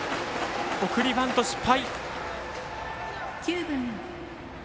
送りバント失敗。